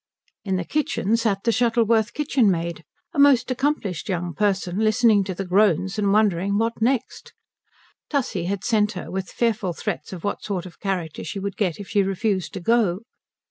In the kitchen sat the Shuttleworth kitchenmaid, a most accomplished young person, listening to the groans and wondering what next. Tussie had sent her, with fearful threats of what sort of character she would get if she refused to go.